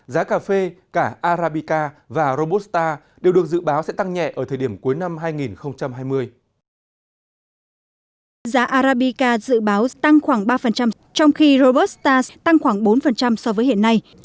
giá arabica dự báo tăng khoảng ba trong khi robusta tăng khoảng bốn so với hiện nay